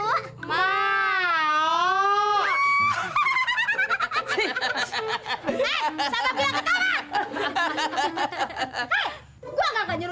eh satu pilihan ketara